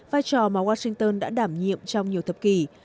vai trò mà washington đã đảm nhiệm trong nhiều thập kỷ